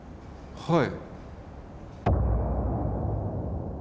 はい。